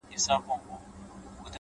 میاشته کېږي بې هویته بې فرهنګ یم